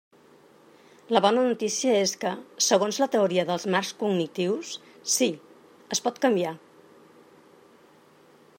La bona notícia és que, segons la teoria dels marcs cognitius, sí, es pot canviar.